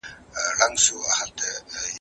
زه اوږده وخت کاغذ ترتيب کوم!!